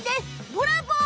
ブラボー！